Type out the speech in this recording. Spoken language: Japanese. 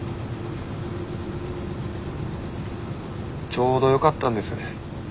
ちょうどよかったんです。